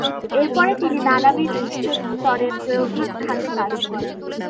এরপরে তিনি নানাবিধ উচ্চস্তরের প্রায়োগিক খাতে কাজ করেন।